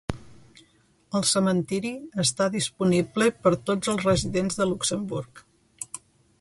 El cementiri està disponible per a tots els residents de Luxemburg.